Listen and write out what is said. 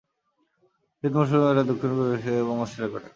শীত মৌসুম এরা দক্ষিণ-পূর্ব এশিয়া এবং অস্ট্রেলিয়ায় কাটায়।